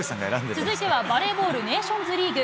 続いてはバレーボール、ネーションズリーグ。